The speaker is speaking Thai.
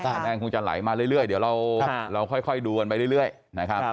แดงคงจะไหลมาเรื่อยเดี๋ยวเราค่อยดูกันไปเรื่อยนะครับ